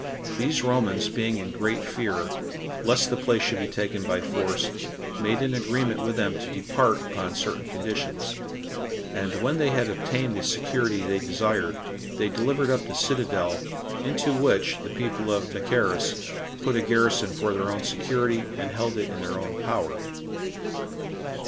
These Romans being in great fear, lest the place should be taken by force, made an agreement with them to depart upon certain conditions; and when they had obtained the security they desired, they delivered up the citadel, into which the people of Machaerus put a garrison for their own security, and held it in their own power.